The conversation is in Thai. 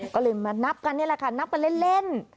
ก็เลยมานับกันนี่แหละค่ะนับกันเล่น